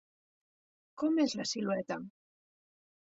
Com és la silueta?